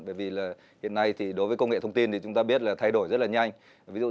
bởi vì là hiện nay thì đối với công nghệ thông tin thì chúng ta biết là thay đổi là không phải là quá muộn